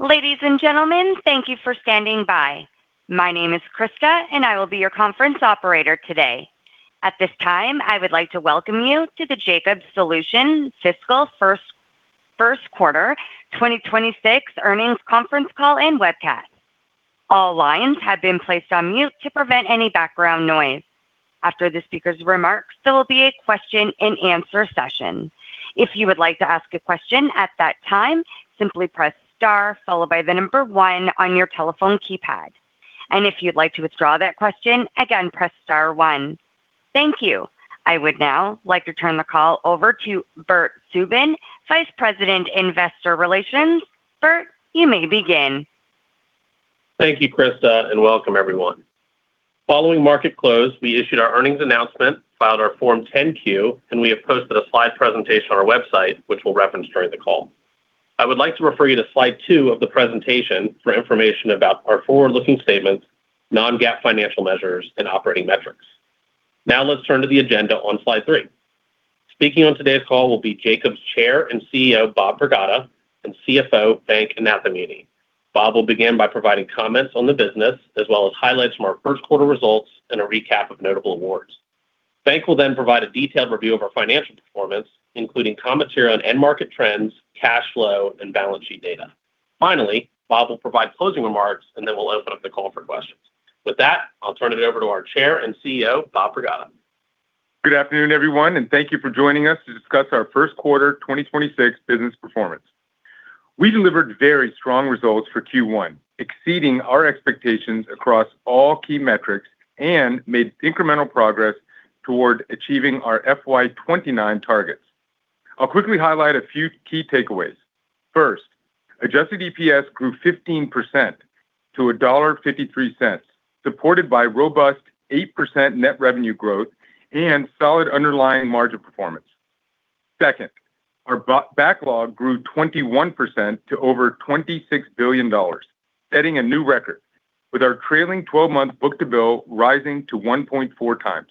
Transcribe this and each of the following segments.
Ladies and gentlemen, thank you for standing by. My name is Krista, and I will be your conference operator today. At this time, I would like to welcome you to the Jacobs Solutions Fiscal First Quarter 2026 Earnings Conference Call and Webcast. All lines have been placed on mute to prevent any background noise. After the speaker's remarks, there will be a question-and-answer session. If you would like to ask a question at that time, simply press star, followed by the number one on your telephone keypad. And if you'd like to withdraw that question again, press star one. Thank you. I would now like to turn the call over to Bert Subin, Vice President, Investor Relations. Bert, you may begin. Thank you, Krista, and welcome everyone. Following market close, we issued our earnings announcement, filed our Form 10-Q, and we have posted a slide presentation on our website, which we'll reference during the call. I would like to refer you to Slide 2 of the presentation for information about our forward-looking statements, non-GAAP financial measures, and operating metrics. Now let's turn to the agenda on Slide 3. Speaking on today's call will be Jacobs Chair and CEO, Bob Pragada, and CFO, Venk Nathamuni. Bob will begin by providing comments on the business, as well as highlights from our first quarter results and a recap of notable awards. Venk will then provide a detailed review of our financial performance, including commentary on end market trends, cash flow, and balance sheet data. Finally, Bob will provide closing remarks, and then we'll open up the call for questions. With that, I'll turn it over to our Chair and CEO, Bob Pragada. Good afternoon, everyone, and thank you for joining us to discuss our first quarter 2026 business performance. We delivered very strong results for Q1, exceeding our expectations across all key metrics and made incremental progress toward achieving our FY 2029 targets. I'll quickly highlight a few key takeaways. First, adjusted EPS grew 15% to $1.53, supported by robust 8% net revenue growth and solid underlying margin performance. Second, our backlog grew 21% to over $26 billion, setting a new record, with our trailing 12-month book-to-bill rising to 1.4x.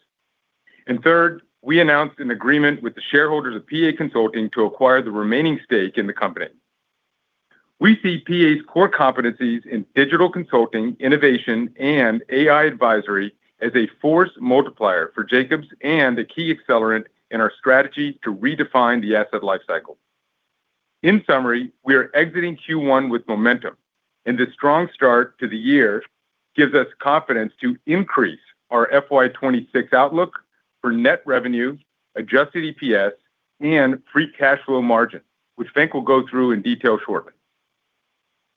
And third, we announced an agreement with the shareholders of PA Consulting to acquire the remaining stake in the company. We see PA's core competencies in digital consulting, innovation, and AI advisory as a force multiplier for Jacobs and a key accelerant in our strategy to redefine the asset life cycle. In summary, we are exiting Q1 with momentum, and this strong start to the year gives us confidence to increase our FY 2026 outlook for net revenue, adjusted EPS, and free cash flow margin, which Venk will go through in detail shortly.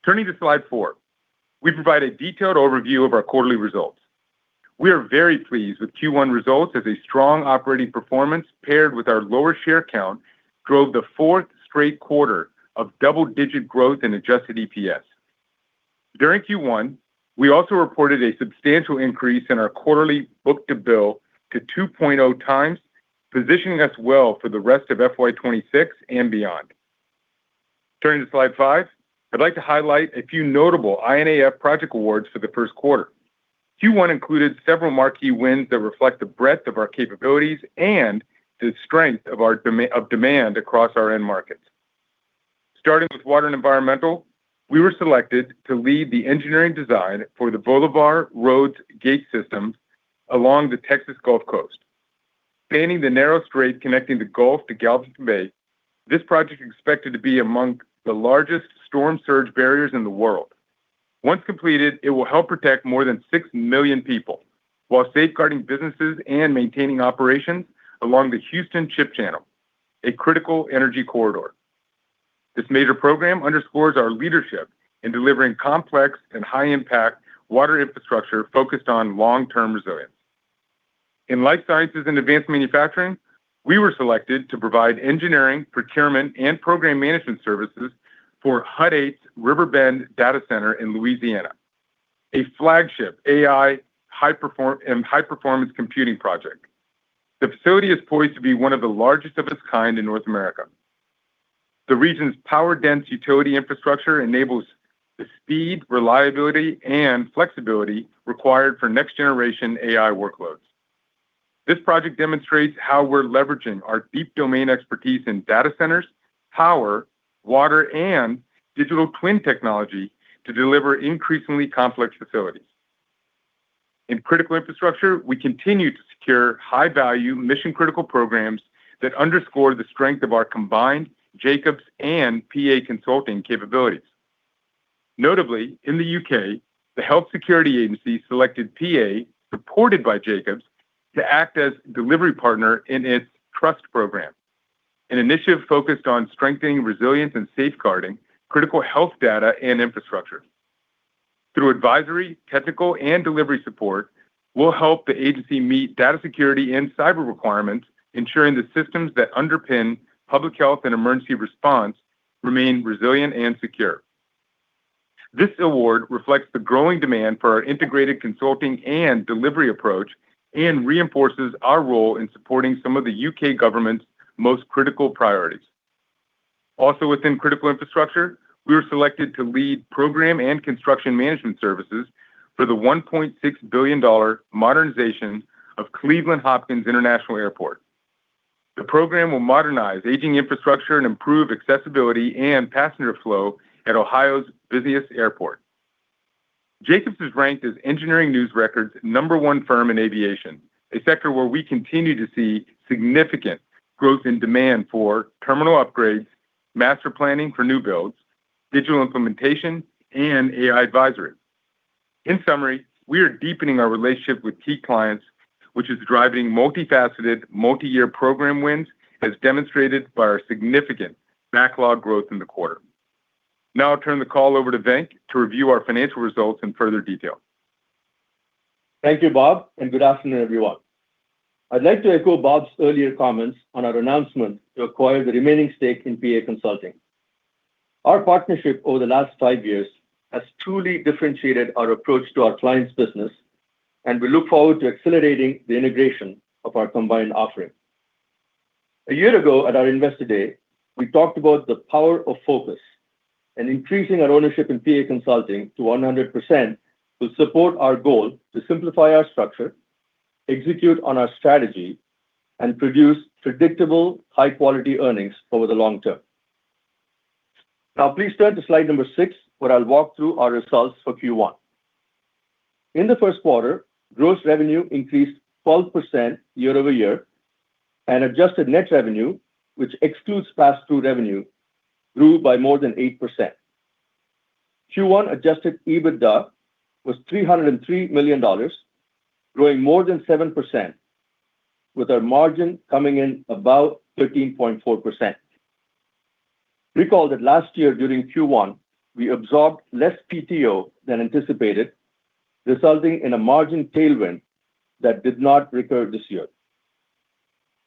Turning to Slide 4, we provide a detailed overview of our quarterly results. We are very pleased with Q1 results as a strong operating performance, paired with our lower share count, drove the fourth straight quarter of double-digit growth in adjusted EPS. During Q1, we also reported a substantial increase in our quarterly book-to-bill to 2.0x, positioning us well for the rest of FY 2026 and beyond. Turning to Slide 5, I'd like to highlight a few notable I&AF project awards for the first quarter. Q1 included several marquee wins that reflect the breadth of our capabilities and the strength of our demand across our end markets. Starting with water and environmental, we were selected to lead the engineering design for the Bolivar Roads Gate System along the Texas Gulf Coast. Spanning the narrow strait connecting the Gulf to Galveston Bay, this project is expected to be among the largest storm surge barriers in the world. Once completed, it will help protect more than 6 million people while safeguarding businesses and maintaining operations along the Houston Ship Channel, a critical energy corridor. This major program underscores our leadership in delivering complex and high-impact water infrastructure focused on long-term resilience. In life sciences and advanced manufacturing, we were selected to provide engineering, procurement, and program management services for Hut 8's River Bend Data Center in Louisiana, a flagship AI high-performance computing project. The facility is poised to be one of the largest of its kind in North America. The region's power-dense utility infrastructure enables the speed, reliability, and flexibility required for next-generation AI workloads. This project demonstrates how we're leveraging our deep domain expertise in data centers, power, water, and digital twin technology to deliver increasingly complex facilities. In critical infrastructure, we continue to secure high-value, mission-critical programs that underscore the strength of our combined Jacobs and PA Consulting capabilities. Notably, in the U.K., the UK Health Security Agency selected PA, supported by Jacobs, to act as delivery partner in its Trust Program, an initiative focused on strengthening resilience and safeguarding critical health data and infrastructure. Through advisory, technical, and delivery support, we'll help the agency meet data security and cyber requirements, ensuring the systems that underpin public health and emergency response remain resilient and secure. This award reflects the growing demand for our integrated consulting and delivery approach and reinforces our role in supporting some of the U.K. government's most critical priorities. Also, within critical infrastructure, we were selected to lead program and construction management services for the $1.6 billion modernization of Cleveland Hopkins International Airport. The program will modernize aging infrastructure and improve accessibility and passenger flow at Ohio's busiest airport. Jacobs is ranked as Engineering News-Record's number one firm in aviation, a sector where we continue to see significant growth in demand for terminal upgrades, master planning for new builds, digital implementation, and AI advisory. In summary, we are deepening our relationship with key clients, which is driving multifaceted, multi-year program wins, as demonstrated by our significant backlog growth in the quarter. Now I'll turn the call over to Venk to review our financial results in further detail. Thank you, Bob, and good afternoon, everyone. I'd like to echo Bob's earlier comments on our announcement to acquire the remaining stake in PA Consulting. Our partnership over the last five years has truly differentiated our approach to our clients' business, and we look forward to accelerating the integration of our combined offering. A year ago, at our Investor Day, we talked about the power of focus, and increasing our ownership in PA Consulting to 100% will support our goal to simplify our structure, execute on our strategy, and produce predictable, high-quality earnings over the long term. Now, please turn to slide number 6, where I'll walk through our results for Q1. In the first quarter, gross revenue increased 12% year-over-year, and adjusted net revenue, which excludes pass-through revenue, grew by more than 8%. Q1 adjusted EBITDA was $303 million, growing more than 7%, with our margin coming in about 13.4%. Recall that last year, during Q1, we absorbed less PTO than anticipated, resulting in a margin tailwind that did not recur this year.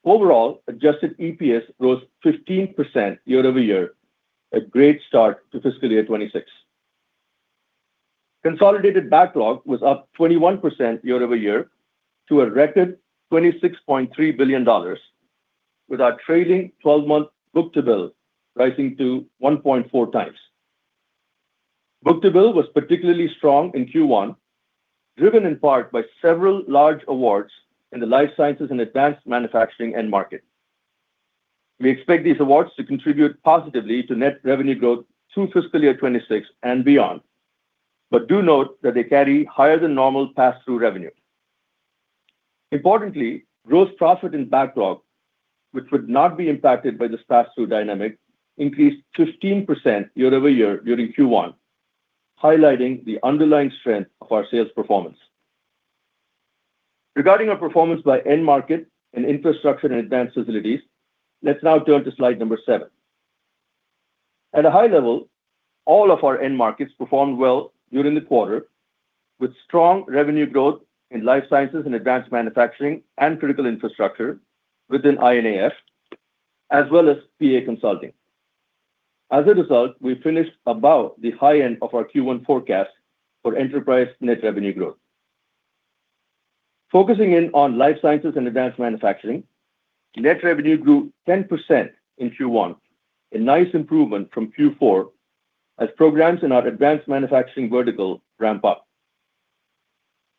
Overall, adjusted EPS rose 15% year-over-year, a great start to fiscal year 2026. Consolidated backlog was up 21% year-over-year to a record $26.3 billion, with our trailing 12-month book-to-bill rising to 1.4x. Book-to-bill was particularly strong in Q1, driven in part by several large awards in the life sciences and advanced manufacturing end market. We expect these awards to contribute positively to net revenue growth through fiscal year 2026 and beyond, but do note that they carry higher than normal pass-through revenue. Importantly, gross profit in backlog, which would not be impacted by this pass-through dynamic, increased 15% year-over-year during Q1, highlighting the underlying strength of our sales performance. Regarding our performance by end market and infrastructure and advanced facilities, let's now turn to slide number 7. At a high level, all of our end markets performed well during the quarter, with strong revenue growth in life sciences and advanced manufacturing and critical infrastructure within I&AF, as well as PA Consulting. As a result, we finished above the high end of our Q1 forecast for enterprise net revenue growth. Focusing in on life sciences and advanced manufacturing, net revenue grew 10% in Q1, a nice improvement from Q4 as programs in our advanced manufacturing vertical ramp up.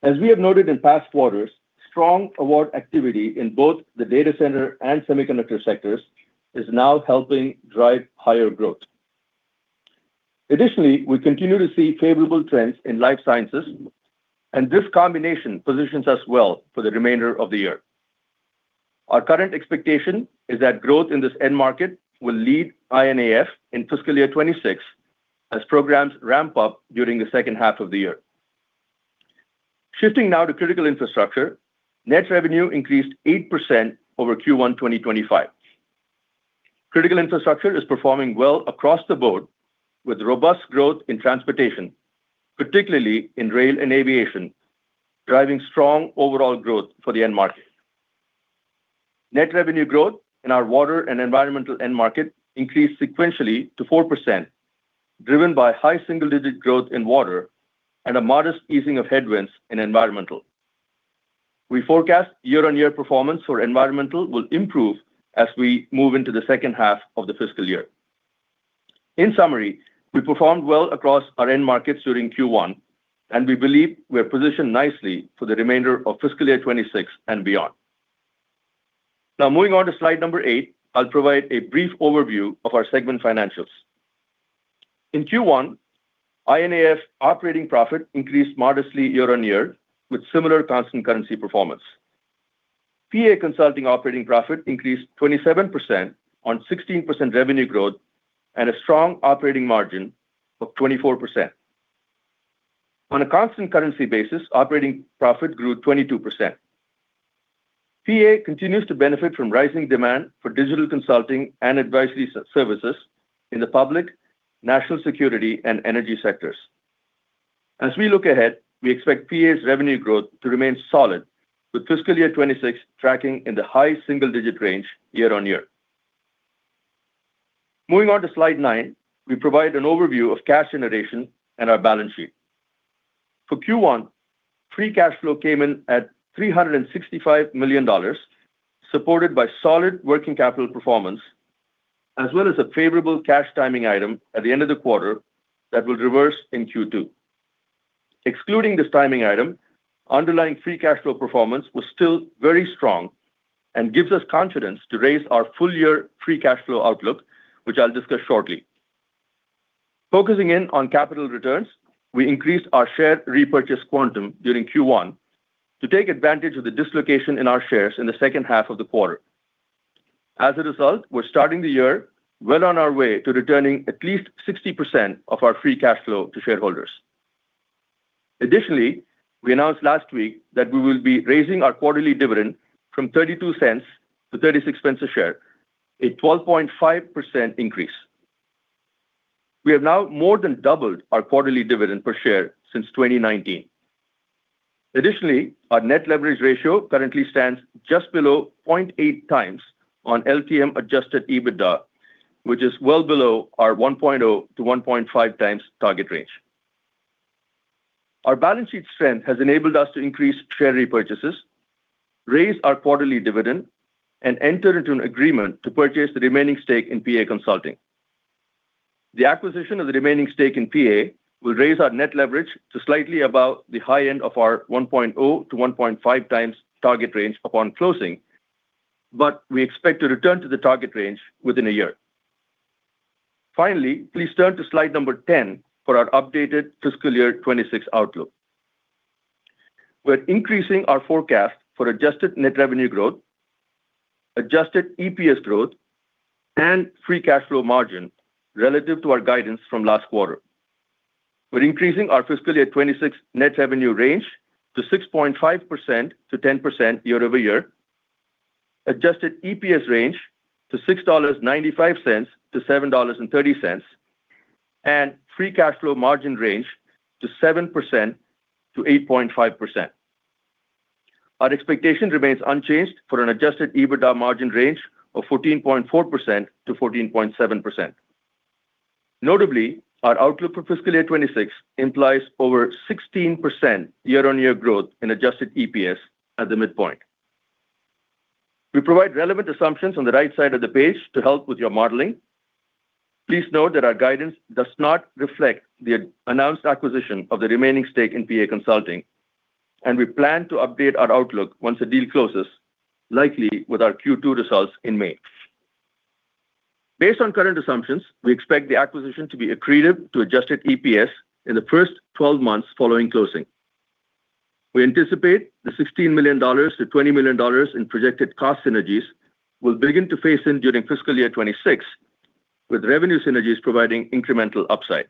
As we have noted in past quarters, strong award activity in both the data center and semiconductor sectors is now helping drive higher growth. Additionally, we continue to see favorable trends in life sciences, and this combination positions us well for the remainder of the year. Our current expectation is that growth in this end market will lead I&AF in fiscal year 2026 as programs ramp up during the second half of the year. Shifting now to critical infrastructure, net revenue increased 8% over Q1 2025. Critical infrastructure is performing well across the board, with robust growth in transportation, particularly in rail and aviation, driving strong overall growth for the end market. Net revenue growth in our water and environmental end market increased sequentially to 4%, driven by high single-digit growth in water and a modest easing of headwinds in environmental. We forecast year-on-year performance for environmental will improve as we move into the second half of the fiscal year. In summary, we performed well across our end markets during Q1, and we believe we are positioned nicely for the remainder of fiscal year 2026 and beyond. Now, moving on to slide number 8, I'll provide a brief overview of our segment financials. In Q1, I&AF operating profit increased modestly year-on-year with similar constant currency performance. PA Consulting operating profit increased 27% on 16% revenue growth and a strong operating margin of 24%. On a constant currency basis, operating profit grew 22%. PA continues to benefit from rising demand for digital consulting and advisory services in the public, national security, and energy sectors. As we look ahead, we expect PA's revenue growth to remain solid, with fiscal year 2026 tracking in the high single-digit range year-on-year. Moving on to Slide 9, we provide an overview of cash generation and our balance sheet. For Q1, free cash flow came in at $365 million, supported by solid working capital performance, as well as a favorable cash timing item at the end of the quarter that will reverse in Q2. Excluding this timing item, underlying free cash flow performance was still very strong and gives us confidence to raise our full year free cash flow outlook, which I'll discuss shortly. Focusing in on capital returns, we increased our share repurchase quantum during Q1 to take advantage of the dislocation in our shares in the second half of the quarter. As a result, we're starting the year well on our way to returning at least 60% of our free cash flow to shareholders. Additionally, we announced last week that we will be raising our quarterly dividend from $0.32 to $0.36 a share, a 12.5% increase. We have now more than doubled our quarterly dividend per share since 2019. Additionally, our net leverage ratio currently stands just below 0.8x on LTM adjusted EBITDA, which is well below our 1.0x-1.5x target range. Our balance sheet strength has enabled us to increase share repurchases, raise our quarterly dividend, and enter into an agreement to purchase the remaining stake in PA Consulting. The acquisition of the remaining stake in PA will raise our net leverage to slightly above the high end of our 1.0x-1.5x target range upon closing, but we expect to return to the target range within a year. Finally, please turn to slide number 10 for our updated fiscal year 2026 outlook. We're increasing our forecast for adjusted net revenue growth, adjusted EPS growth, and free cash flow margin relative to our guidance from last quarter. We're increasing our fiscal year 2026 net revenue range to 6.5%-10% year-over-year, adjusted EPS range to $6.95-$7.30, and free cash flow margin range to 7%-8.5%. Our expectation remains unchanged for an adjusted EBITDA margin range of 14.4%-14.7%. Notably, our outlook for fiscal year 2026 implies over 16% year-on-year growth in adjusted EPS at the midpoint. We provide relevant assumptions on the right side of the page to help with your modeling. Please note that our guidance does not reflect the announced acquisition of the remaining stake in PA Consulting, and we plan to update our outlook once the deal closes, likely with our Q2 results in May. Based on current assumptions, we expect the acquisition to be accretive to adjusted EPS in the first 12 months following closing. We anticipate the $16 million-$20 million in projected cost synergies will begin to phase in during fiscal year 2026, with revenue synergies providing incremental upside.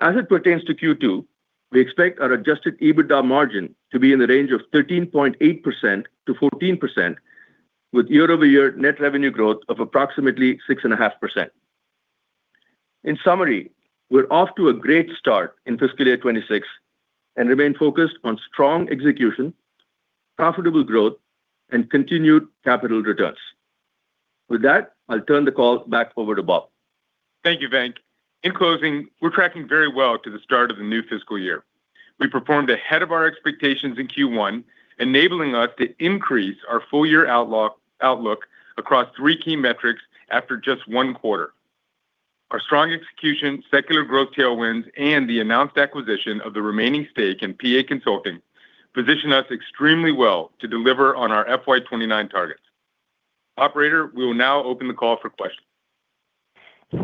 As it pertains to Q2, we expect our adjusted EBITDA margin to be in the range of 13.8%-14%, with year-over-year net revenue growth of approximately 6.5%. In summary, we're off to a great start in fiscal year 2026 and remain focused on strong execution, profitable growth, and continued capital returns. With that, I'll turn the call back over to Bob. Thank you, Venk. In closing, we're tracking very well to the start of the new fiscal year. We performed ahead of our expectations in Q1, enabling us to increase our full year outlook across three key metrics after just one quarter. Our strong execution, secular growth tailwinds, and the announced acquisition of the remaining stake in PA Consulting, position us extremely well to deliver on our FY 2029 targets. Operator, we will now open the call for questions.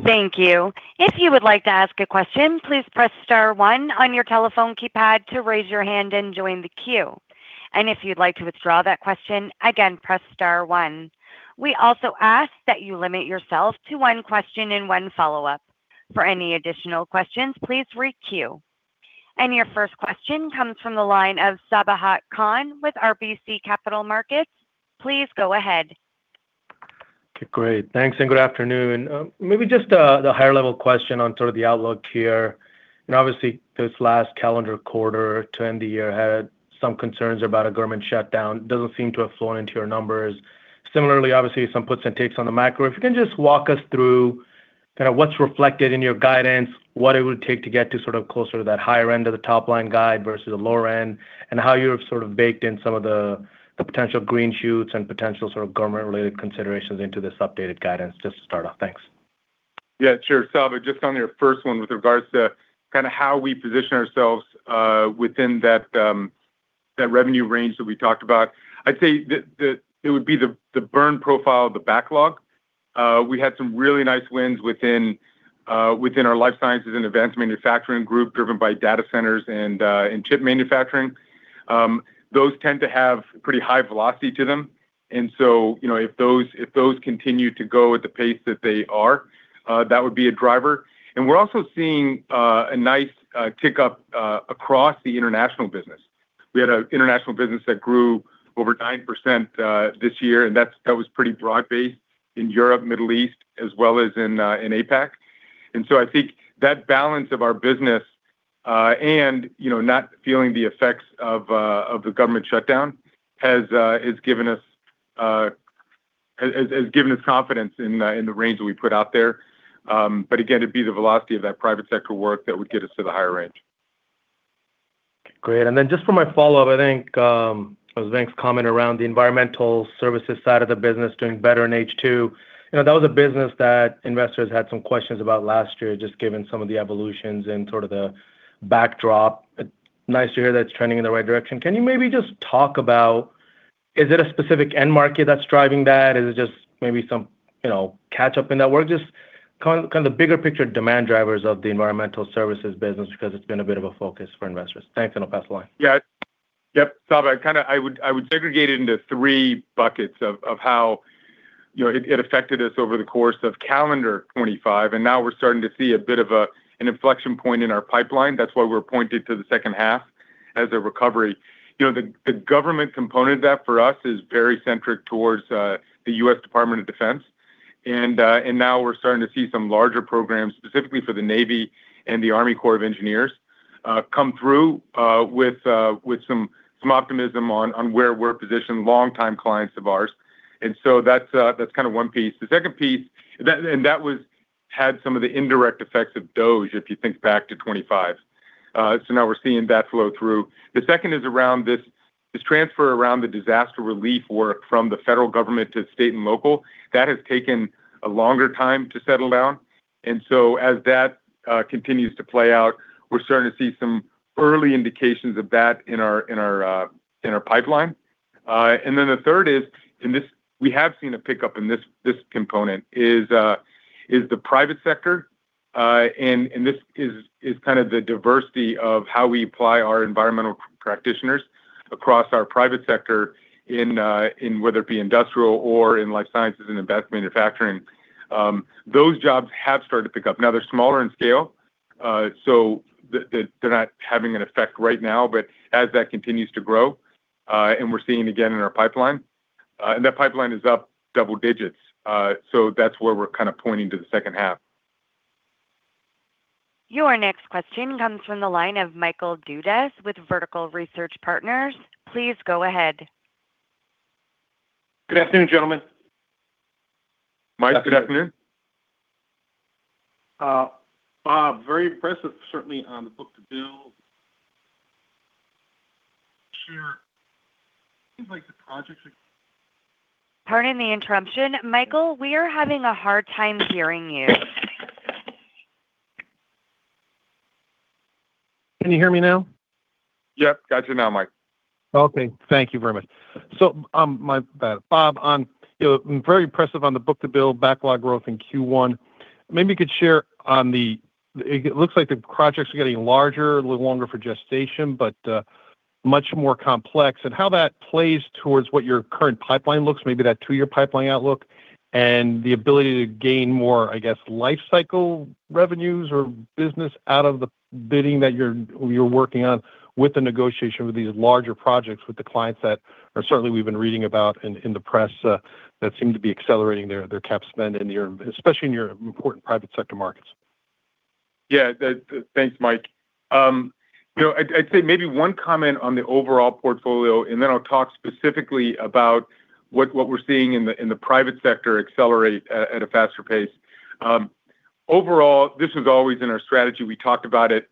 Thank you. If you would like to ask a question, please press star one on your telephone keypad to raise your hand and join the queue. And if you'd like to withdraw that question again, press star one. We also ask that you limit yourself to one question and one follow-up. For any additional questions, please requeue. And your first question comes from the line of Sabahat Khan with RBC Capital Markets. Please go ahead. Okay, great. Thanks, and good afternoon. Maybe just the higher level question on sort of the outlook here. Obviously, this last calendar quarter to end the year had some concerns about a government shutdown. Doesn't seem to have flown into your numbers. Similarly, obviously, some puts and takes on the macro. If you can just walk us through kind of what's reflected in your guidance, what it would take to get to sort of closer to that higher end of the top-line guide versus the lower end, and how you have sort of baked in some of the potential green shoots and potential sort of government-related considerations into this updated guidance, just to start off? Thanks. Yeah, sure, Sabahat, just on your first one, with regards to kind of how we position ourselves within that revenue range that we talked about, I'd say that it would be the burn profile of the backlog. We had some really nice wins within our life sciences and advanced manufacturing group, driven by data centers and in chip manufacturing. Those tend to have pretty high velocity to them, and so, you know, if those continue to go at the pace that they are, that would be a driver. And we're also seeing a nice tick up across the international business. We had a international business that grew over 9% this year, and that was pretty broad-based in Europe, Middle East, as well as in APAC. And so I think that balance of our business, and, you know, not feeling the effects of the government shutdown has given us confidence in the range that we put out there. But again, it'd be the velocity of that private sector work that would get us to the higher range. ... Great. And then just for my follow-up, I think, as Venk's comment around the environmental services side of the business doing better in H2. You know, that was a business that investors had some questions about last year, just given some of the evolutions and sort of the backdrop. Nice to hear that's trending in the right direction. Can you maybe just talk about, is it a specific end market that's driving that? Is it just maybe some, you know, catch-up in that work? Just kinda bigger picture demand drivers of the environmental services business, because it's been a bit of a focus for investors. Thanks, and I'll pass the line. Yeah. Yep, Sab, I kinda would segregate it into three buckets of how, you know, it affected us over the course of calendar 2025, and now we're starting to see a bit of an inflection point in our pipeline. That's why we're pointed to the second half as a recovery. You know, the government component of that for us is very centric towards the US Department of Defense. And now we're starting to see some larger programs, specifically for the Navy and the Army Corps of Engineers, come through with some optimism on where we're positioned, long time clients of ours. And so that's kind of one piece. The second piece. That, and that was, had some of the indirect effects of DOGE, if you think back to 2025. So now we're seeing that flow through. The second is around this transfer around the disaster relief work from the federal government to state and local. That has taken a longer time to settle down. And so as that continues to play out, we're starting to see some early indications of that in our pipeline. And then the third is, and this we have seen a pickup in this component, is the private sector. And this is kind of the diversity of how we apply our environmental practitioners across our private sector in whether it be industrial or in life sciences and advanced manufacturing. Those jobs have started to pick up. Now, they're smaller in scale, so they're not having an effect right now. But as that continues to grow, and we're seeing again in our pipeline, and that pipeline is up double digits. So that's where we're kind of pointing to the second half. Your next question comes from the line of Michael Dudas with Vertical Research Partners. Please go ahead. Good afternoon, gentlemen. Mike, good afternoon. Bob, very impressive, certainly on the book-to-bill. Sure. Seems like the projects are- Pardon the interruption. Michael, we are having a hard time hearing you. Can you hear me now? Yep, got you now, Mike. Okay. Thank you very much. So, my bad. Bob, on, you know, very impressive on the book-to-bill backlog growth in Q1. Maybe you could share on the... It looks like the projects are getting larger, a little longer for gestation, but much more complex, and how that plays towards what your current pipeline looks, maybe that two-year pipeline outlook, and the ability to gain more, I guess, life cycle revenues or business out of the bidding that you're working on with the negotiation with these larger projects, with the clients that are - certainly we've been reading about in the press, that seem to be accelerating their cap spend in your, especially in your important private sector markets. Yeah, that, thanks, Mike. You know, I'd say maybe one comment on the overall portfolio, and then I'll talk specifically about what we're seeing in the private sector accelerate at a faster pace. Overall, this was always in our strategy. We talked about it,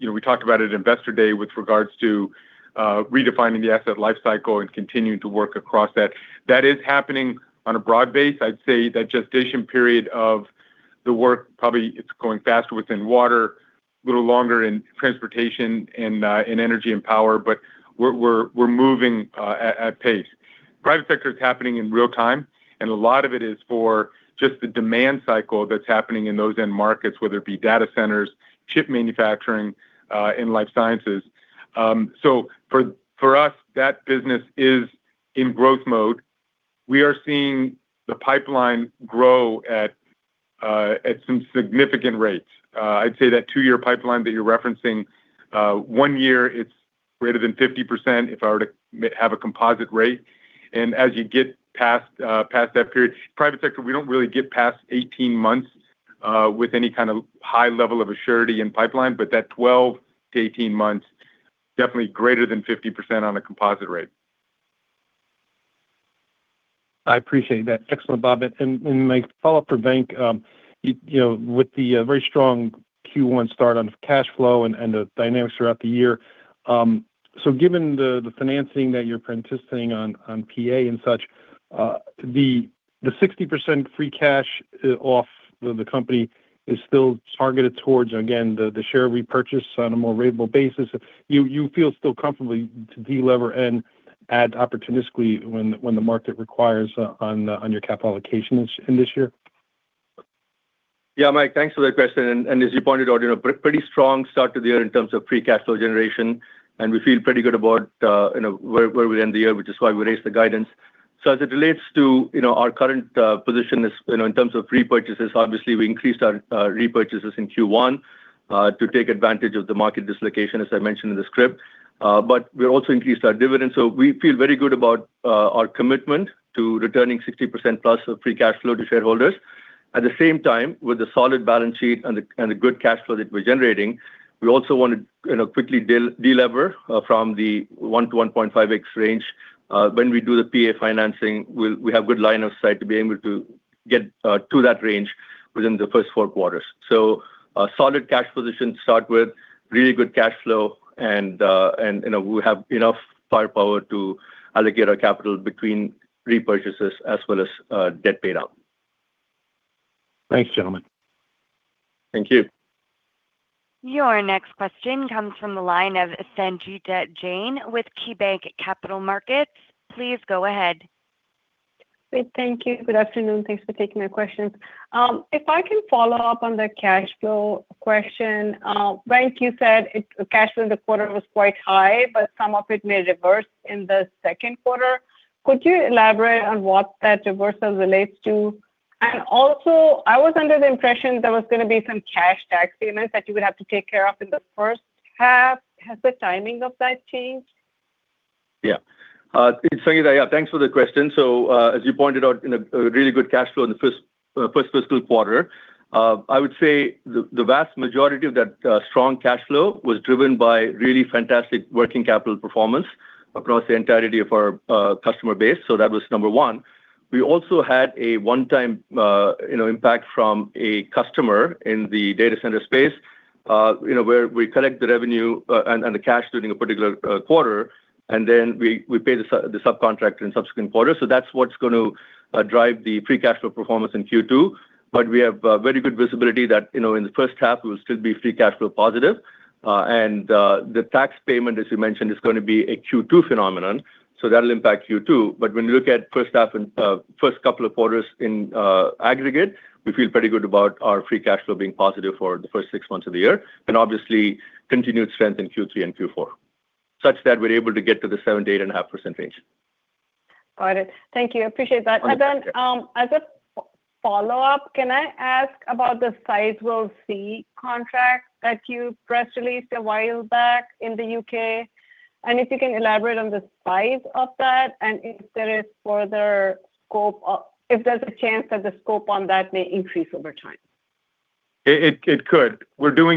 you know, we talked about it at Investor Day with regards to redefining the asset life cycle and continuing to work across that. That is happening on a broad base. I'd say that gestation period of the work, probably it's going faster within water, a little longer in transportation and in energy and power, but we're moving at pace. Private sector is happening in real time, and a lot of it is for just the demand cycle that's happening in those end markets, whether it be data centers, chip manufacturing, and life sciences. So for, for us, that business is in growth mode. We are seeing the pipeline grow at some significant rates. I'd say that two-year pipeline that you're referencing, one year it's greater than 50%, if I were to have a composite rate. And as you get past past that period, private sector, we don't really get past 18 months with any kind of high level of certainty in pipeline, but that 12-18 months, definitely greater than 50% on a composite rate. I appreciate that. Excellent, Bob. And my follow-up for Venk, you know, with the very strong Q1 start on cash flow and the dynamics throughout the year, so given the financing that you're participating on PA and such, the 60% free cash off the company is still targeted towards, again, the share repurchase on a more reasonable basis. You feel still comfortably to delever and add opportunistically when the market requires, on your capital allocation in this year? Yeah, Mike, thanks for that question. And as you pointed out, you know, pretty strong start to the year in terms of free cash flow generation, and we feel pretty good about, you know, where, where we end the year, which is why we raised the guidance. So as it relates to, you know, our current position as, you know, in terms of repurchases, obviously, we increased our repurchases in Q1 to take advantage of the market dislocation, as I mentioned in the script. But we also increased our dividends, so we feel very good about our commitment to returning 60% plus of free cash flow to shareholders. At the same time, with a solid balance sheet and the good cash flow that we're generating, we also want to, you know, quickly delever from the 1x-1.5x range. When we do the PA financing, we'll have good line of sight to be able to get to that range within the first four quarters. So a solid cash position to start with, really good cash flow, and, you know, we have enough firepower to allocate our capital between repurchases as well as debt paid out. Thanks, gentlemen. Thank you. Your next question comes from the line of Sangita Jain with KeyBanc Capital Markets. Please go ahead. Great. Thank you. Good afternoon. Thanks for taking my questions. If I can follow up on the cash flow question, Venk, you said it, the cash flow in the quarter was quite high, but some of it may reverse in the second quarter. Could you elaborate on what that reversal relates to? And also, I was under the impression there was gonna be some cash tax payments that you would have to take care of in the first half. Has the timing of that changed? Yeah. Sangita, yeah, thanks for the question. So, as you pointed out, in a really good cash flow in the first fiscal quarter. I would say the vast majority of that strong cash flow was driven by really fantastic working capital performance across the entirety of our customer base. So that was number one. We also had a one-time, you know, impact from a customer in the data center space, you know, where we collect the revenue and the cash during a particular quarter, and then we pay the subcontractor in subsequent quarters. So that's what's going to drive the free cash flow performance in Q2. But we have very good visibility that, you know, in the first half, we'll still be free cash flow positive. And the tax payment, as you mentioned, is gonna be a Q2 phenomenon, so that'll impact Q2. But when you look at first half and first couple of quarters in aggregate, we feel pretty good about our free cash flow being positive for the first six months of the year, and obviously, continued strength in Q3 and Q4, such that we're able to get to the 7%-8.5%. Got it. Thank you. Appreciate that. Okay. And then, as a follow-up, can I ask about the Sizewell C contract that you press released a while back in the U.K.? And if you can elaborate on the size of that and if there is further scope or if there's a chance that the scope on that may increase over time. It could.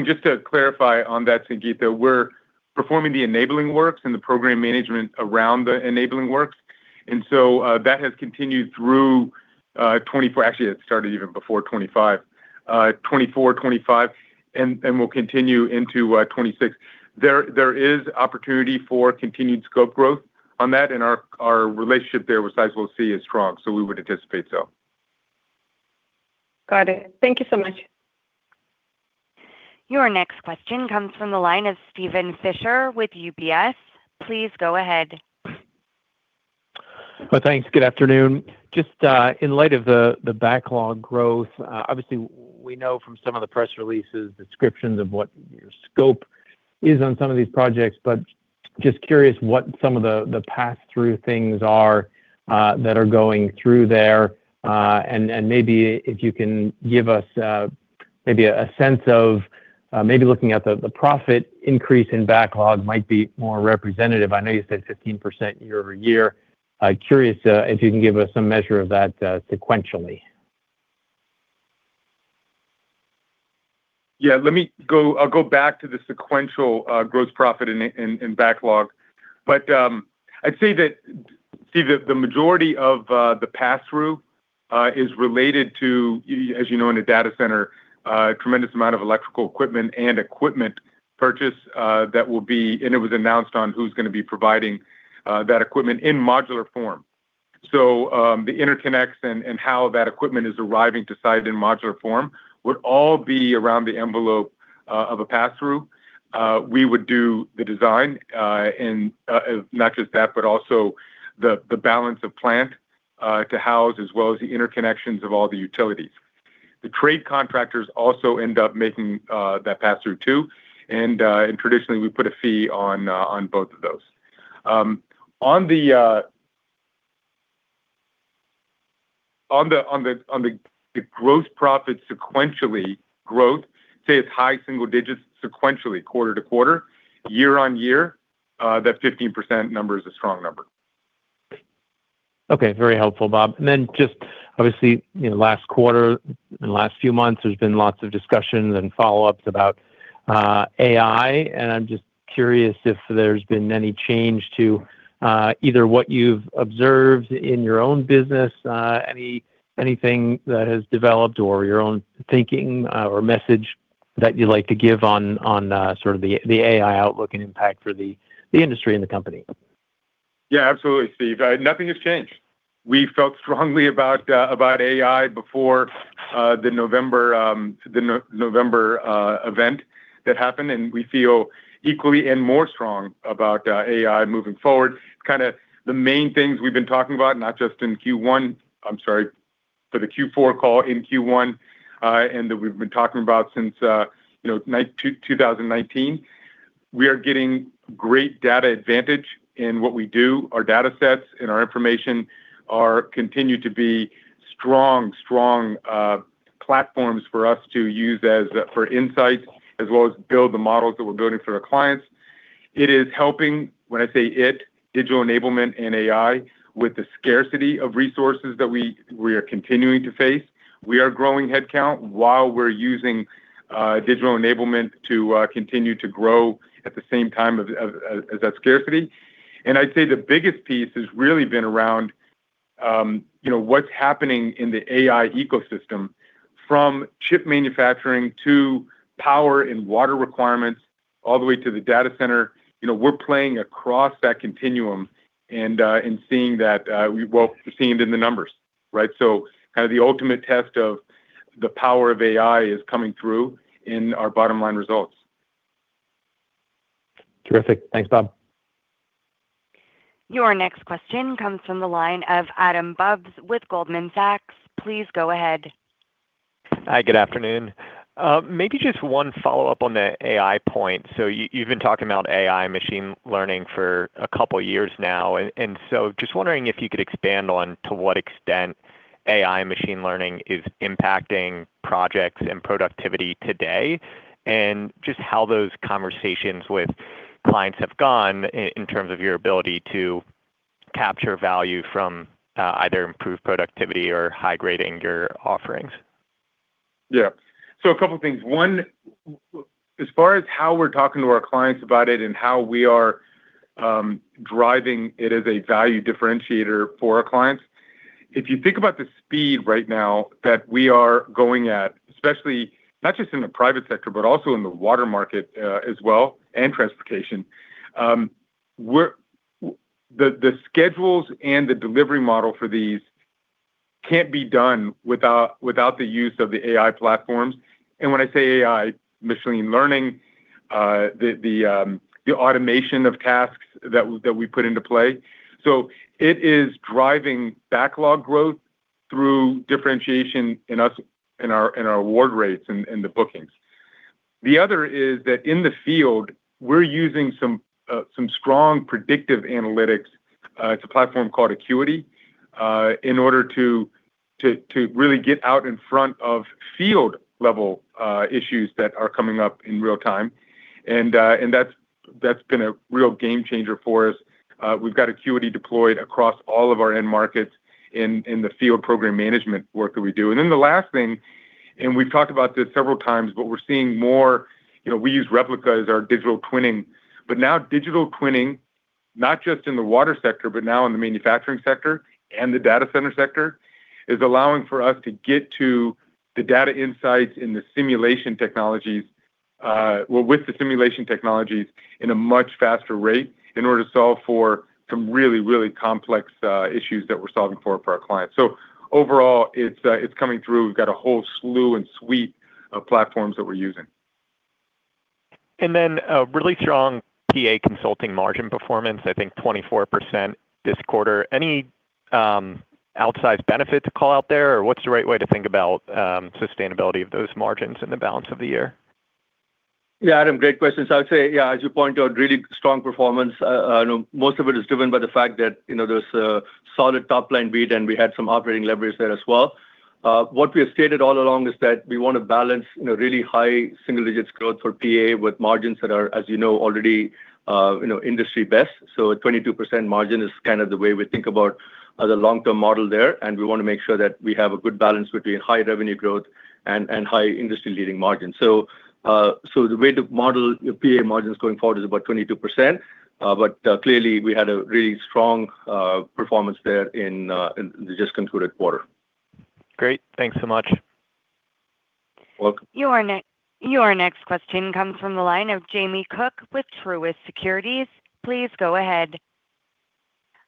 Just to clarify on that, Sangita, we're performing the enabling works and the program management around the enabling works, and so that has continued through 2024 - actually, it started even before 2025, 2024, 2025, and will continue into 2026. There is opportunity for continued scope growth on that, and our relationship there with Sizewell C is strong, so we would anticipate so. Got it. Thank you so much. Your next question comes from the line of Steven Fisher with UBS. Please go ahead. Well, thanks. Good afternoon. Just in light of the backlog growth, obviously, we know from some of the press releases, descriptions of what your scope is on some of these projects, but just curious what some of the pass-through things are that are going through there. And maybe if you can give us maybe a sense of maybe looking at the profit increase in backlog might be more representative. I know you said 15% year-over-year. Curious if you can give us some measure of that sequentially. Yeah, let me I'll go back to the sequential gross profit in backlog. But, I'd say that, Steve, the majority of the pass-through is related to, as you know, in a data center, a tremendous amount of electrical equipment and equipment purchase that will be... And it was announced on who's gonna be providing that equipment in modular form. So, the interconnects and how that equipment is arriving to site in modular form would all be around the envelope of a pass-through. We would do the design, and not just that, but also the balance of plant to house, as well as the interconnections of all the utilities. The trade contractors also end up making, that pass-through, too, and, and traditionally, we put a fee on, on both of those. On the gross profit sequential growth, say it's high single digits sequentially, quarter-to-quarter. Year-on-year, that 15% number is a strong number. Okay, very helpful, Bob. And then just obviously, you know, last quarter, the last few months, there's been lots of discussions and follow-ups about AI, and I'm just curious if there's been any change to either what you've observed in your own business, anything that has developed or your own thinking, or message that you'd like to give on sort of the AI outlook and impact for the industry and the company. Yeah, absolutely, Steve. Nothing has changed. We felt strongly about AI before the November event that happened, and we feel equally and more strong about AI moving forward. Kinda the main things we've been talking about, not just in Q1, I'm sorry, for the Q4 call, in Q1, and that we've been talking about since, you know, 2019, we are getting great data advantage in what we do. Our data sets and our information are continued to be strong, strong platforms for us to use as for insights, as well as build the models that we're building for our clients. It is helping, when I say it, digital enablement and AI, with the scarcity of resources that we are continuing to face. We are growing headcount while we're using digital enablement to continue to grow at the same time as that scarcity.... And I'd say the biggest piece has really been around, you know, what's happening in the AI ecosystem, from chip manufacturing to power and water requirements, all the way to the data center. You know, we're playing across that continuum and seeing that, well, we've seen it in the numbers, right? So kind of the ultimate test of the power of AI is coming through in our bottom line results. Terrific. Thanks, Bob. Your next question comes from the line of Adam Bubes with Goldman Sachs. Please go ahead. Hi, good afternoon. Maybe just one follow-up on the AI point. So you, you've been talking about AI machine learning for a couple of years now, and so just wondering if you could expand on to what extent AI machine learning is impacting projects and productivity today, and just how those conversations with clients have gone in terms of your ability to capture value from, either improved productivity or high grading your offerings? Yeah. So a couple of things. One, as far as how we're talking to our clients about it and how we are driving it as a value differentiator for our clients, if you think about the speed right now that we are going at, especially not just in the private sector, but also in the water market, as well, and transportation, the schedules and the delivery model for these can't be done without the use of the AI platforms. And when I say AI, machine learning, the automation of tasks that we put into play. So it is driving backlog growth through differentiation in our award rates and in the bookings. The other is that in the field, we're using some strong predictive analytics. It's a platform called Acuity in order to really get out in front of field-level issues that are coming up in real time. And that's been a real game changer for us. We've got Acuity deployed across all of our end markets in the field program management work that we do. And then the last thing, and we've talked about this several times, but we're seeing more. You know, we use Replica as our digital twinning. But now, digital twinning, not just in the water sector, but now in the manufacturing sector and the data center sector, is allowing for us to get to the data insights and the simulation technologies, well, with the simulation technologies in a much faster rate in order to solve for some really, really complex issues that we're solving for, for our clients. So overall, it's, it's coming through. We've got a whole slew and suite of platforms that we're using. Then, a really strong PA Consulting margin performance, I think 24% this quarter. Any outsized benefit to call out there, or what's the right way to think about sustainability of those margins in the balance of the year? Yeah, Adam, great question. So I would say, yeah, as you point out, really strong performance. Most of it is driven by the fact that, you know, there's a solid top-line beat, and we had some operating leverage there as well. What we have stated all along is that we want to balance, you know, really high single-digit growth for PA with margins that are, as you know, already, you know, industry best. So a 22% margin is kind of the way we think about the long-term model there, and we want to make sure that we have a good balance between high revenue growth and high industry-leading margins. So, so the way to model the PA margins going forward is about 22%, but, clearly, we had a really strong performance there in the just concluded quarter. Great. Thanks so much. Welcome. Your next question comes from the line of Jamie Cook with Truist Securities. Please go ahead.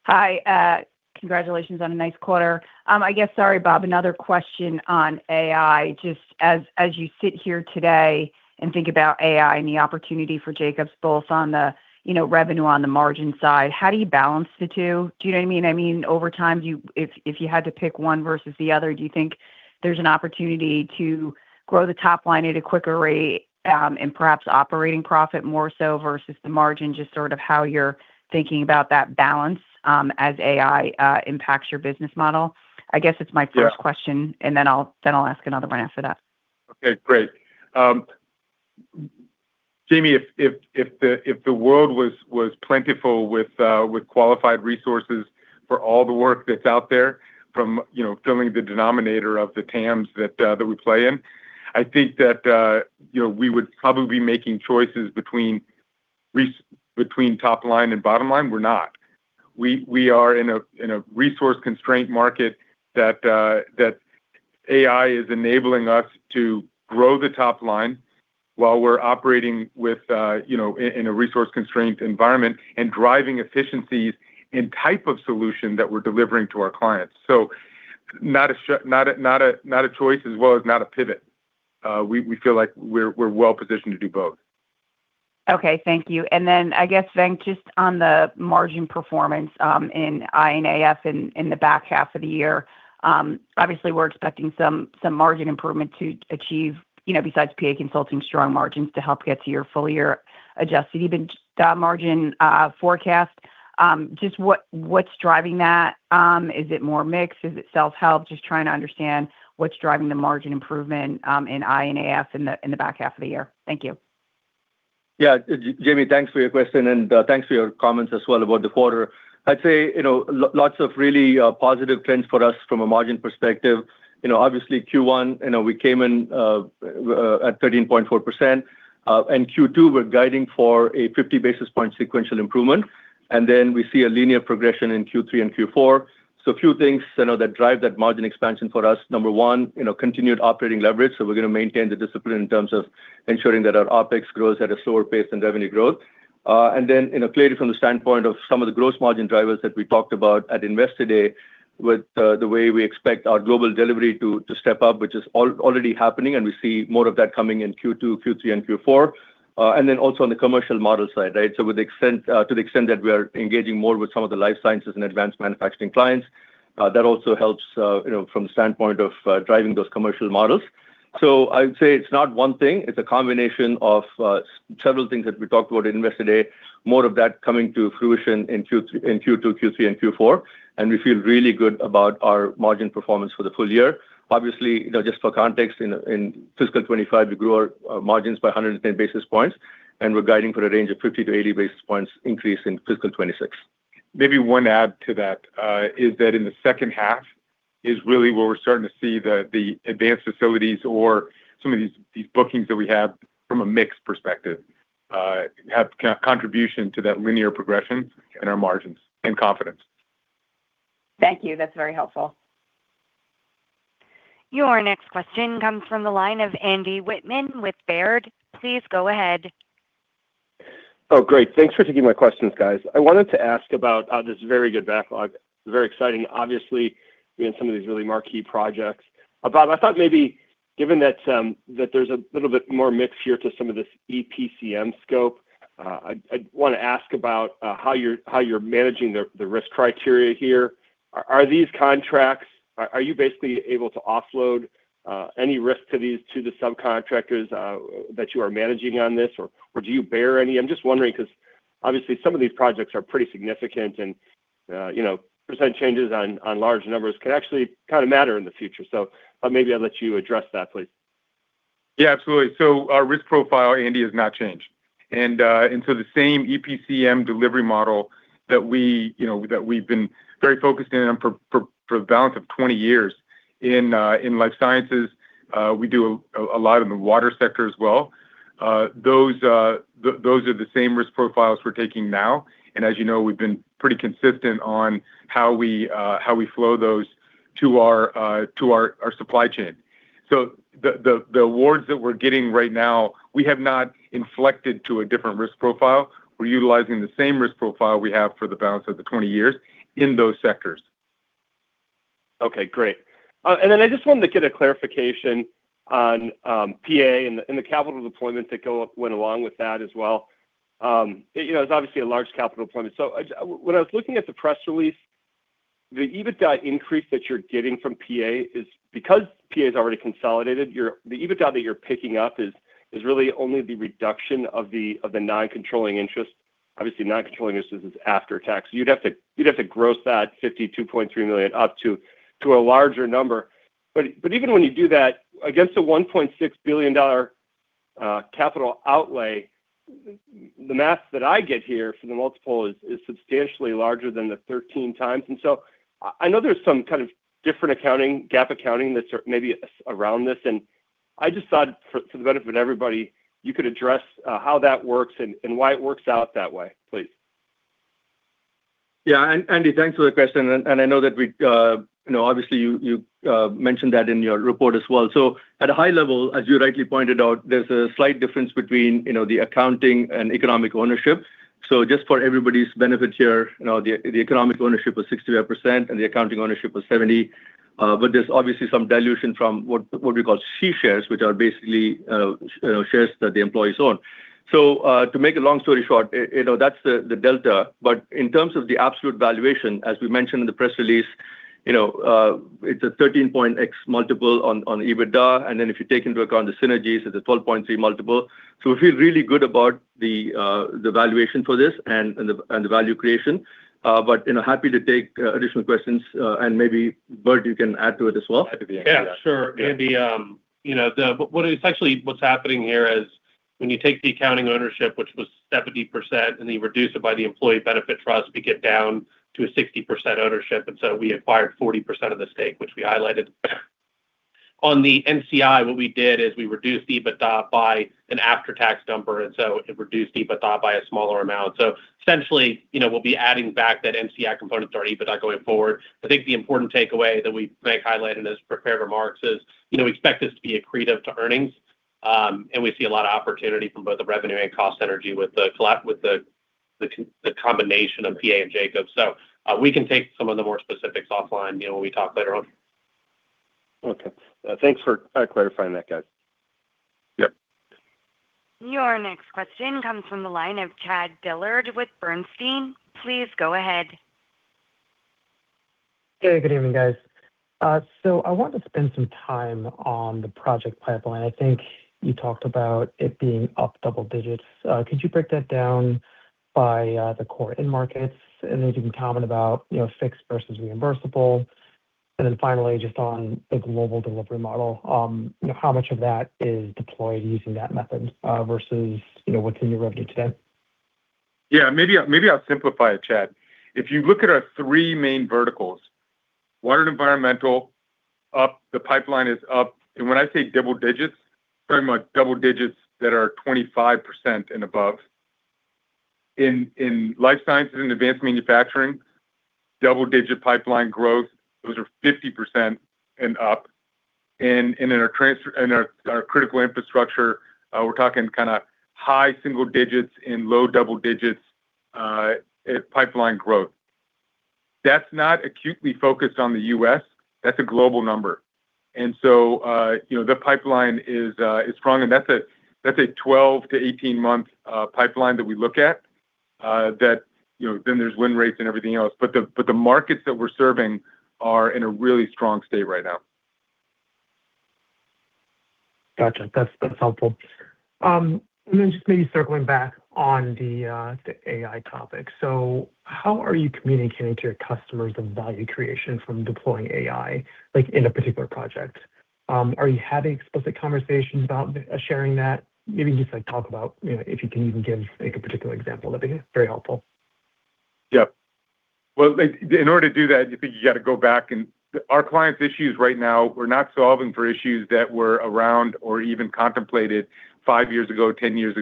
Hi. Congratulations on a nice quarter. I guess, sorry, Bob, another question on AI. Just as you sit here today and think about AI and the opportunity for Jacobs, both on the, you know, revenue on the margin side, how do you balance the two? Do you know what I mean? I mean, over time, you—if you had to pick one versus the other, do you think there's an opportunity to grow the top line at a quicker rate, and perhaps operating profit more so versus the margin, just sort of how you're thinking about that balance, as AI impacts your business model? I guess it's my first— Yeah... question, and then I'll ask another one after that. Okay, great. Jamie, if the world was plentiful with qualified resources for all the work that's out there, from, you know, filling the denominator of the TAMs that we play in, I think that, you know, we would probably be making choices between between top line and bottom line. We're not. We are in a resource-constrained market that AI is enabling us to grow the top line while we're operating with, you know, in a resource-constrained environment and driving efficiencies in type of solution that we're delivering to our clients. So not a choice as well as not a pivot. We feel like we're well positioned to do both. Okay, thank you. And then I guess, Venk, just on the margin performance in I&AF in the back half of the year, obviously, we're expecting some margin improvement to achieve, you know, besides PA Consulting, strong margins to help get to your full year adjusted EBITDA margin forecast. Just what, what's driving that? Is it more mix? Is it self-help? Just trying to understand what's driving the margin improvement in I&AF in the back half of the year. Thank you. Yeah, Jamie, thanks for your question, and thanks for your comments as well about the quarter. I'd say, you know, lots of really positive trends for us from a margin perspective. You know, obviously, Q1, you know, we came in at 13.4%, and Q2, we're guiding for a 50 basis point sequential improvement. And then we see a linear progression in Q3 and Q4. So a few things, you know, that drive that margin expansion for us. Number one, you know, continued operating leverage. So we're going to maintain the discipline in terms of ensuring that our OpEx grows at a slower pace than revenue growth. And then, you know, clearly from the standpoint of some of the gross margin drivers that we talked about at Investor Day, with the way we expect our global delivery to step up, which is already happening, and we see more of that coming in Q2, Q3, and Q4. And then also on the commercial model side, right? So to the extent that we are engaging more with some of the life sciences and advanced manufacturing clients, that also helps, you know, from the standpoint of driving those commercial models. So I would say it's not one thing. It's a combination of several things that we talked about at Investor Day. More of that coming to fruition in Q3... in Q2, Q3, and Q4, and we feel really good about our margin performance for the full year. Obviously, you know, just for context, in fiscal 2025, we grew our margins by 110 basis points, and we're guiding for a range of 50-80 basis points increase in fiscal 2026. Maybe one add to that is that in the second half is really where we're starting to see the advanced facilities or some of these bookings that we have from a mix perspective have kind of contribution to that linear progression in our margins and confidence. Thank you. That's very helpful. Your next question comes from the line of Andy Wittmann with Baird. Please go ahead. Oh, great. Thanks for taking my questions, guys. I wanted to ask about this very good backlog. Very exciting. Obviously, we had some of these really marquee projects. Bob, I thought maybe given that there's a little bit more mix here to some of this EPCM scope, I'd want to ask about how you're managing the risk criteria here. Are these contracts? Are you basically able to offload any risk to the subcontractors that you are managing on this, or do you bear any? I'm just wondering, because obviously, some of these projects are pretty significant and, you know, % changes on large numbers could actually kind of matter in the future. So, maybe I'll let you address that, please. Yeah, absolutely. So our risk profile, Andy, has not changed. And, and so the same EPCM delivery model that we, you know, that we've been very focused in on for the balance of 20 years in, in life sciences, we do a lot in the water sector as well. Those, those are the same risk profiles we're taking now, and as you know, we've been pretty consistent on how we, how we flow those to our, to our, our supply chain. So the awards that we're getting right now, we have not inflected to a different risk profile. We're utilizing the same risk profile we have for the balance of the 20 years in those sectors. Okay, great. And then I just wanted to get a clarification on PA and the capital deployment that went along with that as well. You know, it's obviously a large capital deployment. When I was looking at the press release, the EBITDA increase that you're getting from PA is because PA is already consolidated. The EBITDA that you're picking up is really only the reduction of the non-controlling interest. Obviously, non-controlling interest is after tax. You'd have to gross that $52.3 million up to a larger number. But even when you do that, against the $1.6 billion capital outlay, the math that I get here for the multiple is substantially larger than the 13x. And so I know there's some kind of different accounting, GAAP accounting, that's maybe around this, and I just thought for the benefit of everybody, you could address how that works and why it works out that way, please. Yeah. And, Andy, thanks for the question, and I know that we, you know, obviously, you mentioned that in your report as well. So at a high level, as you rightly pointed out, there's a slight difference between, you know, the accounting and economic ownership. So just for everybody's benefit here, you know, the economic ownership was 65%, and the accounting ownership was 70%. But there's obviously some dilution from what we call C Shares, which are basically shares that the employees own. So, to make a long story short, it, you know, that's the delta. But in terms of the absolute valuation, as we mentioned in the press release, you know, it's a 13x multiple on EBITDA, and then if you take into account the synergies, it's a 12.3 multiple. So we feel really good about the valuation for this and the value creation. But, you know, happy to take additional questions, and maybe, Bob, you can add to it as well. Happy to. Yeah, sure. Yeah. And the, you know, but what is actually what's happening here is, when you take the accounting ownership, which was 70%, and you reduce it by the employee benefit trust, we get down to a 60% ownership, and so we acquired 40% of the stake, which we highlighted. On the NCI, what we did is we reduced EBITDA by an after-tax number, and so it reduced EBITDA by a smaller amount. So essentially, you know, we'll be adding back that NCI component to our EBITDA going forward. I think the important takeaway that we think highlighted in those prepared remarks is, you know, we expect this to be accretive to earnings, and we see a lot of opportunity from both the revenue and cost synergy with the collab with the combination of PA and Jacobs. So, we can take some of the more specifics offline, you know, when we talk later on. Okay. Thanks for clarifying that, guys. Yep. Your next question comes from the line of Chad Dillard with Bernstein. Please go ahead. Hey, good evening, guys. So I want to spend some time on the project pipeline. I think you talked about it being up double digits. Could you break that down by the core end markets? And then if you can comment about, you know, fixed versus reimbursable. And then finally, just on the global delivery model, how much of that is deployed using that method, versus, you know, what's in your revenue today? Yeah, maybe I, maybe I'll simplify it, Chad. If you look at our three main verticals-... Water and environmental up, the pipeline is up, and when I say double digits, pretty much double digits that are 25% and above. In life sciences and advanced manufacturing, double-digit pipeline growth, those are 50% and up. And in our transportation—in our critical infrastructure, we're talking kinda high single digits and low double digits in pipeline growth. That's not exclusively focused on the US, that's a global number. And so, you know, the pipeline is strong, and that's a 12- to 18-month pipeline that we look at, that, you know, then there's win rates and everything else. But the markets that we're serving are in a really strong state right now. Gotcha. That's, that's helpful. And then just maybe circling back on the AI topic. So how are you communicating to your customers the value creation from deploying AI, like, in a particular project? Are you having explicit conversations about sharing that? Maybe just, like, talk about, you know, if you can even give, like, a particular example, that'd be very helpful. Yep. Well, like, in order to do that, our clients' issues right now, we're not solving for issues that were around or even contemplated five years ago, 10 years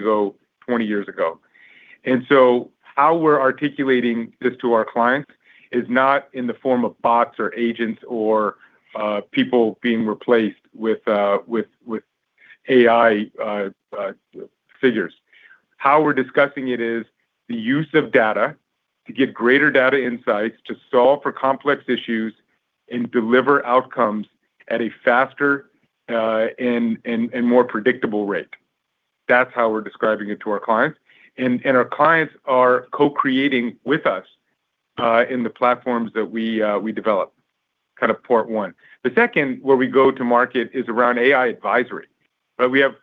ago, 20 years ago. And so how we're articulating this to our clients is not in the form of bots or agents or, people being replaced with, with AI figures. How we're discussing it is the use of data to get greater data insights, to solve for complex issues and deliver outcomes at a faster, and more predictable rate. That's how we're describing it to our clients. And our clients are co-creating with us, in the platforms that we develop, kind of part one. The second, where we go to market, is around AI advisory. But we have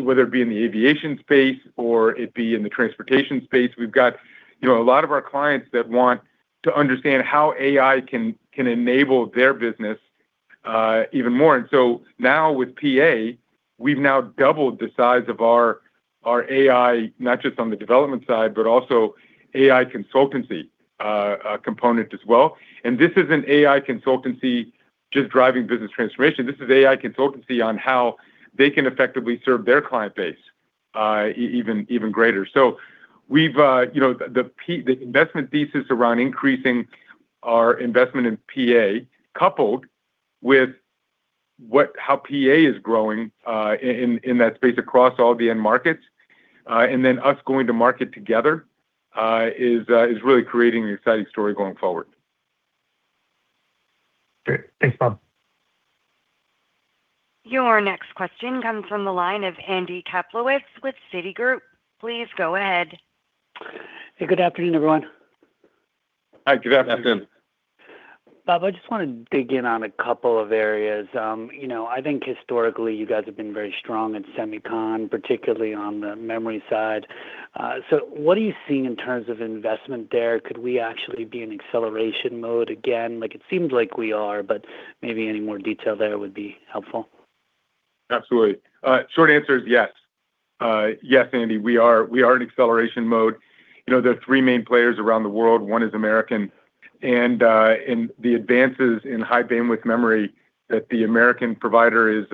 whether it be in the aviation space or it be in the transportation space, we've got, you know, a lot of our clients that want to understand how AI can enable their business even more. And so now with PA, we've now doubled the size of our AI, not just on the development side, but also AI consultancy component as well. And this is an AI consultancy just driving business transformation. This is AI consultancy on how they can effectively serve their client base even greater. So we've, you know, the investment thesis around increasing our investment in PA, coupled with how PA is growing in that space across all the end markets, and then us going to market together is really creating an exciting story going forward. Great. Thanks, Bob. Your next question comes from the line of Andy Kaplowitz with Citigroup. Please go ahead. Hey, good afternoon, everyone. Hi, good afternoon. Afternoon. Bob, I just wanna dig in on a couple of areas. You know, I think historically you guys have been very strong in semicon, particularly on the memory side. So what are you seeing in terms of investment there? Could we actually be in acceleration mode again? Like, it seems like we are, but maybe any more detail there would be helpful. Absolutely. Short answer is yes. Yes, Andy, we are, we are in acceleration mode. You know, there are three main players around the world, one is American. And, and the advances in high bandwidth memory that the American provider is,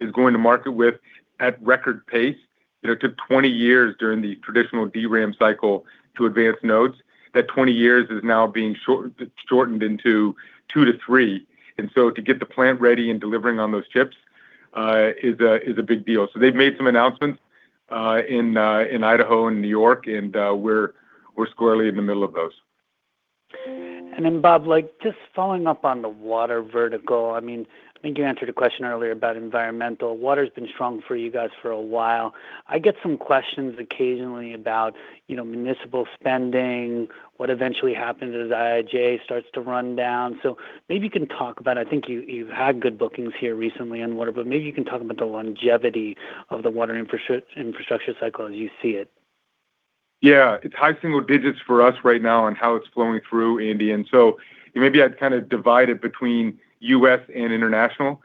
is going to market with at record pace, you know, took 20 years during the traditional DRAM cycle to advance nodes. That 20 years is now being shortened into 2-3. And so to get the plant ready and delivering on those chips, is a, is a big deal. So they've made some announcements, in, in Idaho and New York, and, we're, we're squarely in the middle of those. Then, Bob, like, just following up on the water vertical, I mean, I think you answered a question earlier about environmental. Water's been strong for you guys for a while. I get some questions occasionally about, you know, municipal spending, what eventually happens as IIJA starts to run down. So maybe you can talk about... I think you, you've had good bookings here recently on water, but maybe you can talk about the longevity of the water infrastructure cycle as you see it. Yeah. It's high single digits for us right now and how it's flowing through, Andy. So maybe I'd kind of divide it between U.S. and international.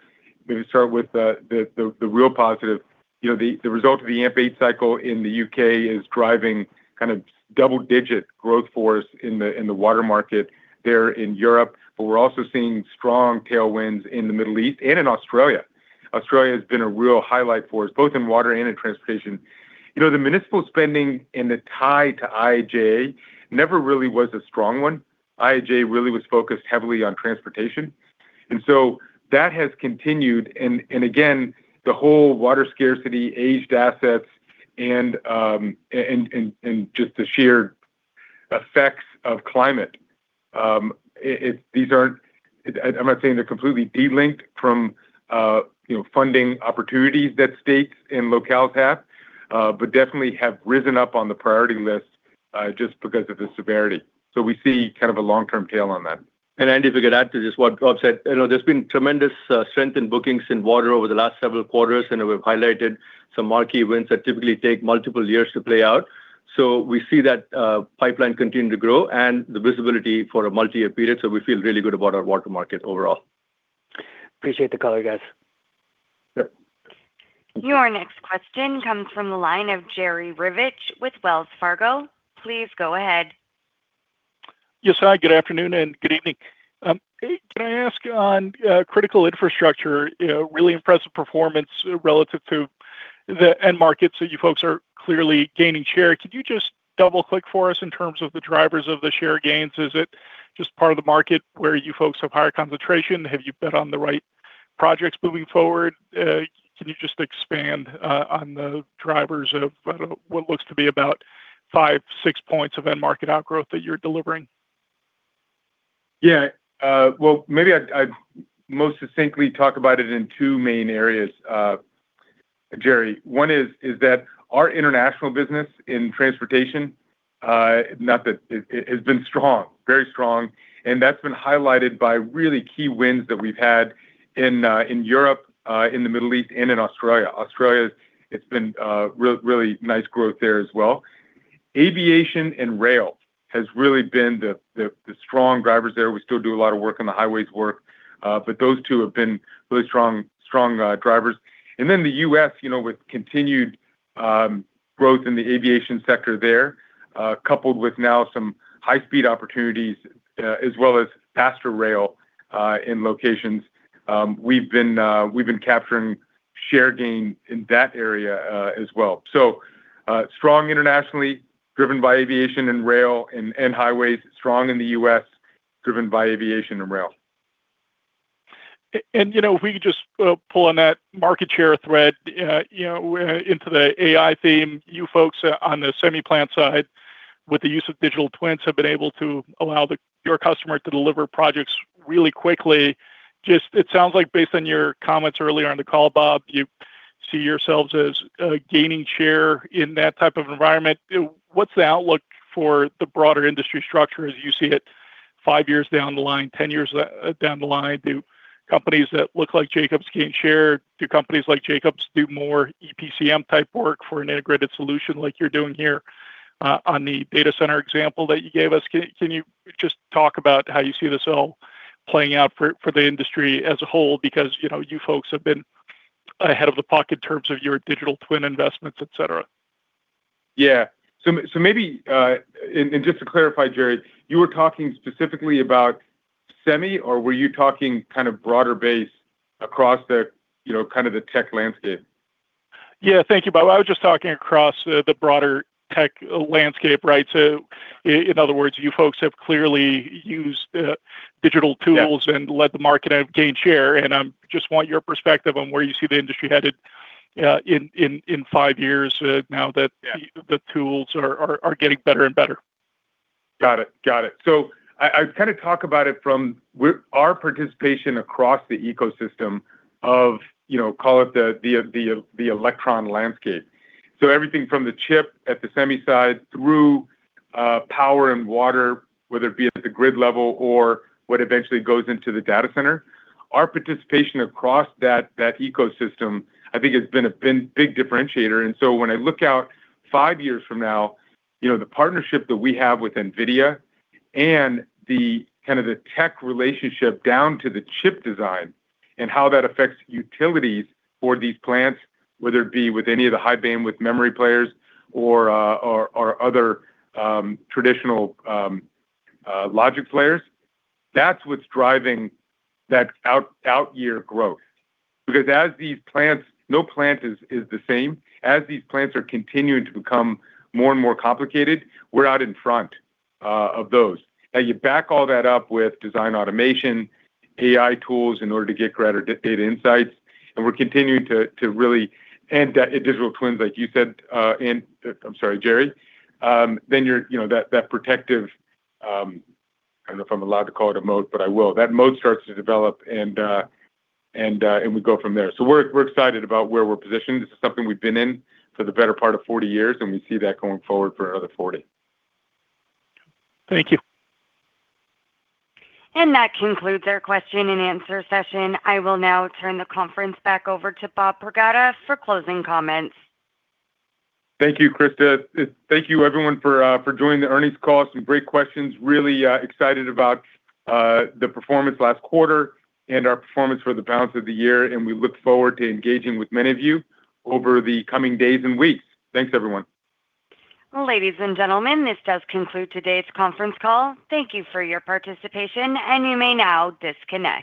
Maybe start with the real positive. You know, the result of the AMP8 cycle in the U.K. is driving kind of double-digit growth for us in the water market there in Europe, but we're also seeing strong tailwinds in the Middle East and in Australia. Australia has been a real highlight for us, both in water and in transportation. You know, the municipal spending and the tie to IIJA never really was a strong one. IIJA really was focused heavily on transportation, and so that has continued, and again, the whole water scarcity, aged assets, and just the sheer effects of climate. I'm not saying they're completely delinked from, you know, funding opportunities that states and locales have, but definitely have risen up on the priority list, just because of the severity. So we see kind of a long-term tail on that. Andy, if we could add to just what Bob said, you know, there's been tremendous strength in bookings in water over the last several quarters, and we've highlighted some marquee wins that typically take multiple years to play out. We see that pipeline continue to grow and the visibility for a multi-year period, so we feel really good about our water market overall.... Appreciate the call, you guys. Your next question comes from the line of Jerry Revich with Wells Fargo. Please go ahead. Yes, hi, good afternoon and good evening. Hey, can I ask on critical infrastructure, you know, really impressive performance relative to the end markets that you folks are clearly gaining share. Could you just double-click for us in terms of the drivers of the share gains? Is it just part of the market where you folks have higher concentration? Have you been on the right projects moving forward? Can you just expand on the drivers of what looks to be about 5-6 points of end market outgrowth that you're delivering? Yeah, well, maybe I'd most succinctly talk about it in two main areas, Jerry. One is that our international business in transportation, not that it has been strong, very strong, and that's been highlighted by really key wins that we've had in Europe, in the Middle East, and in Australia. Australia, it's been really nice growth there as well. Aviation and rail has really been the strong drivers there. We still do a lot of work on the highways work, but those two have been really strong drivers. And then the U.S., you know, with continued growth in the aviation sector there, coupled with now some high-speed opportunities, as well as faster rail in locations, we've been capturing share gain in that area, as well. So, strong internationally, driven by aviation and rail and highways. Strong in the U.S., driven by aviation and rail. And, you know, if we could just pull on that market share thread, you know, into the AI theme, you folks on the semi plant side, with the use of digital twins, have been able to allow your customer to deliver projects really quickly. Just it sounds like based on your comments earlier on the call, Bob, you see yourselves as gaining share in that type of environment. What's the outlook for the broader industry structure as you see it five years down the line, 10 years down the line? Do companies that look like Jacobs gain share? Do companies like Jacobs do more EPCM-type work for an integrated solution like you're doing here on the data center example that you gave us? Can you just talk about how you see this all playing out for the industry as a whole? Because, you know, you folks have been ahead of the pack in terms of your digital twin investments, et cetera. Yeah. So maybe, and just to clarify, Jerry, you were talking specifically about semi, or were you talking kind of broader base across the, you know, kind of the tech landscape? Yeah, thank you, Bob. I was just talking across the broader tech landscape, right? So in other words, you folks have clearly used digital tools- Yeah... and led the market and gained share, and I just want your perspective on where you see the industry headed in five years, now that- Yeah... the tools are getting better and better. Got it. Got it. So I kind of talk about it from our participation across the ecosystem of, you know, call it the electron landscape. So everything from the chip at the semi side through power and water, whether it be at the grid level or what eventually goes into the data center, our participation across that ecosystem, I think has been a very big differentiator. And so when I look out five years from now, you know, the partnership that we have with NVIDIA and the kind of the tech relationship down to the chip design and how that affects utilities for these plants, whether it be with any of the high bandwidth memory players or other traditional logic players, that's what's driving that out-year growth. Because as these plants... No plant is the same. As these plants are continuing to become more and more complicated, we're out in front of those. Now, you back all that up with design automation, AI tools in order to get greater data insights, and digital twins, like you said, and I'm sorry, Jerry, then you're, you know, that protective, I don't know if I'm allowed to call it a moat, but I will. That moat starts to develop, and we go from there. So we're excited about where we're positioned. This is something we've been in for the better part of 40 years, and we see that going forward for another 40. Thank you. That concludes our question and answer session. I will now turn the conference back over to Bob Pragada for closing comments. Thank you, Krista. Thank you, everyone, for joining the earnings call. Some great questions. Really excited about the performance last quarter and our performance for the balance of the year, and we look forward to engaging with many of you over the coming days and weeks. Thanks, everyone. Ladies and gentlemen, this does conclude today's conference call. Thank you for your participation, and you may now disconnect.